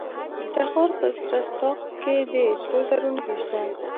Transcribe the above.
د تخار په رستاق کې د سرو زرو نښې شته.